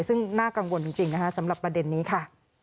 ซึ่งน่ากังวลจริงนะคะสำหรับประเด็นนี้ค่ะ